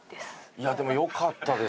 いやでもよかったですわ。